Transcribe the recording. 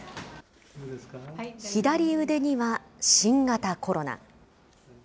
左腕には新型コロナ。